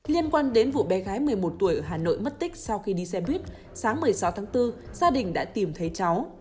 liên quan đến vụ bé gái một mươi một tuổi ở hà nội mất tích sau khi đi xe buýt sáng một mươi sáu tháng bốn gia đình đã tìm thấy cháu